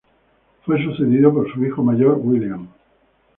Fue sucedido por su hijo mayor, William.